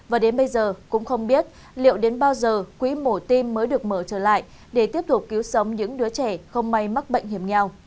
và đến bây giờ cũng không biết liệu đến bao giờ quỹ mổ tim mới được mở trở lại để tiếp tục cứu sống những đứa trẻ không may mắc bệnh hiểm nghèo